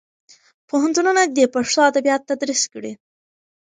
پوهنتونونه دې پښتو ادبیات تدریس کړي.